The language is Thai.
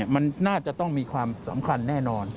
มันน่าจะต้องมีความสำคัญแน่นอน